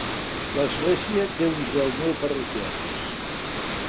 L'Església té uns deu mil parroquians.